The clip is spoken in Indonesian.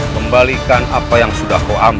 kembalikan apa yang sudah kau ambil